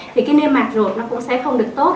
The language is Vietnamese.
thì cái nê mạc ruột nó cũng sẽ không được tốt